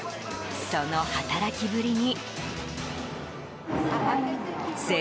その働きぶりに。